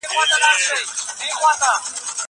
زه به زدکړه کړې وي!!